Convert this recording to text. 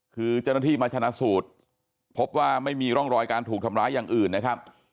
คือเจ้าหน้าที่มาชนะสูตรพบว่าไม่มีร่องรอยการถูกทำร้ายอย่างอื่นนะครับ